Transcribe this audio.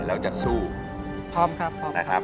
เราจะสู้พร้อมครับ